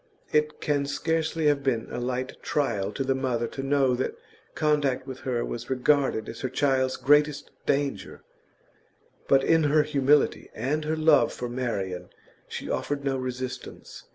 It can scarcely have been a light trial to the mother to know that contact with her was regarded as her child's greatest danger; but in her humility and her love for Marian she offered no resistance.